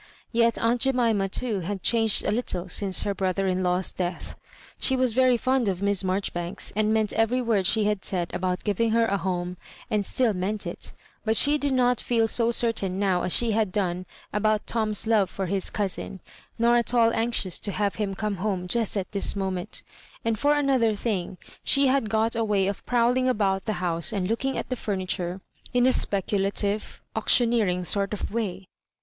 Yet aunt Jemima, too, had changed a lit tle since her brother in law's death. She was very fond of Miss Marjoribanks, and meant every word she had said about givmg her a home, and still meant it 'But she did not feel so certain now as she had done about Tom^s love for his cousin, nor at all anxious to have him come home just at this moment; and for another thing, she had got a way of prowling about the bouse and looking at the furniture in a speculative, auction eering sort of way.